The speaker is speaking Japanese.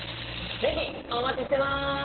是非お待ちしてます！